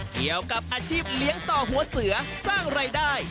เกี่ยวกับอาชีพเลี้ยงต่อหัวเสือสร้างรายได้